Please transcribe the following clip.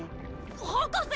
博士！